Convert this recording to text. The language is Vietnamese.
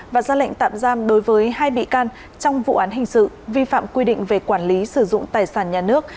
và ra lệnh tạm giam đối với hai bị can trong vụ án hình sự vi phạm quy định về quản lý sử dụng tài sản nhà nước